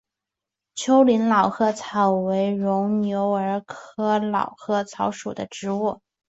丘陵老鹳草为牻牛儿苗科老鹳草属的植物。